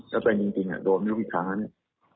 จริงอีกครั้ง